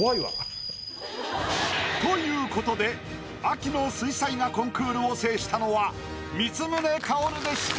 ということで秋の水彩画コンクールを制したのは光宗薫でした。